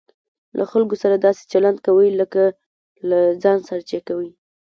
له خلکو سره داسي چلند کوئ؛ لکه له ځان سره چې کوى.